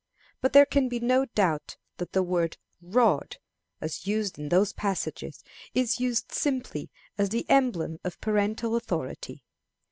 But there can be no doubt that the word rod, as used in those passages, is used simply as the emblem of parental authority.